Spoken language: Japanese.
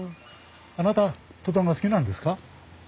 あなたトタンが好きなんですか？